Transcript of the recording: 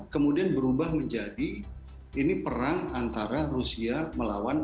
kemudian berubah menjadi ini perang antara rusia melawan